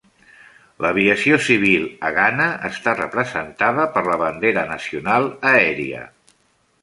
L'aviació civil a Ghana està representada per la bandera nacional aèria.